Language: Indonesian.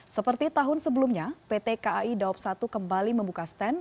seperti tahun sebelumnya pt kai dawab satu kembali membuka stand